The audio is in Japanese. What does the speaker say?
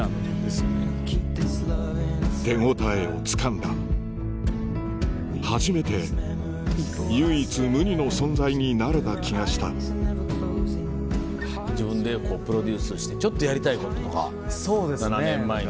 手応えをつかんだ初めて唯一無二の存在になれた気がした自分でプロデュースしてちょっとやりたいこととか７年前に。